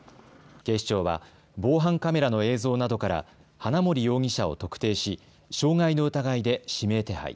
警視庁は防犯カメラの映像などから花森容疑者を特定し傷害の疑いで指名手配。